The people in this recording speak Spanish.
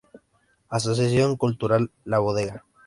Asociación Cultural La Bodega